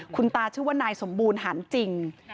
คุณตาชื่อว่านายสมบูรณ์หานจริง